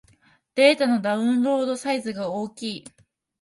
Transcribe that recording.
データのダウンロードサイズが大きい